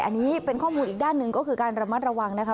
อันนี้เป็นข้อมูลอีกด้านหนึ่งก็คือการระมัดระวังนะคะ